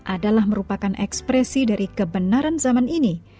adalah merupakan ekspresi dari kebenaran zaman ini